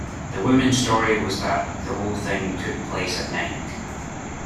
The woman's story was that the whole thing took place at night